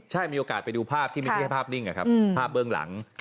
ใช่มีโอกาสไปดูภาพที่ไม่ใช่ภาพนิ่งอะครับภาพเบื้องหลัง